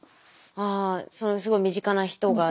あそのすごい身近な人が？